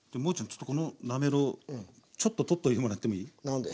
ちょっとこのなめろうちょっと取っといてもらってもいい？何で？